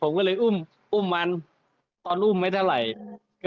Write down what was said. ผมก็เลยอุ้มอุ้มมันตอนอุ้มไม่เท่าไหร่